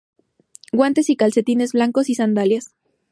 Guantes y calcetines blancos y sandalias.